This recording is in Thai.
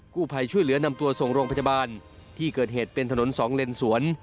ผู้ภัยช่วยเหลือนำตัวส่งโรงพยาบาลที่เกิดเหตุเป็นถนนสองเลนสวน